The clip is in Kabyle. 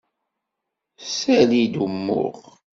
Ssali-d umuɣ.